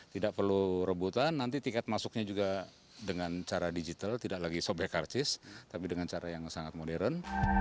tidak perlu rebutan nanti tiket masuknya juga dengan cara digital tidak lagi sobe karcis tapi dengan cara yang sangat modern